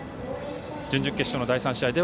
準々決勝の第３試合